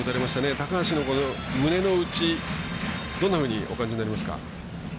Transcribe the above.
高橋の胸の内、どんなふうにお感じになりますか？